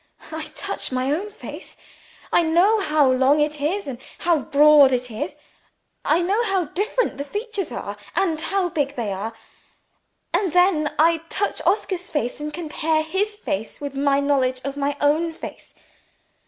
"I touch my own face; I know how long it is and how broad it is; I know how big the different features are, and where they are. And then I touch Oscar, and compare his face with my knowledge of my own face.